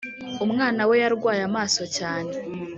Umwana we yarwaye amaso cyane